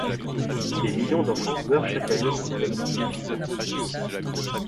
Des millions d’enfants meurent chaque année de maladies évitables.